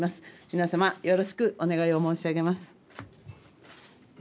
皆さまよろしくお願いを申し上げます。